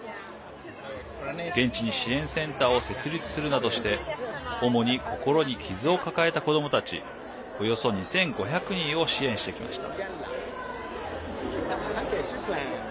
現地に支援センターを設立するなどして主に心に傷を抱えた子どもたちおよそ２５００人を支援してきました。